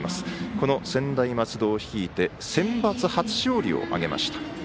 この専大松戸を率いてセンバツ初勝利を挙げました。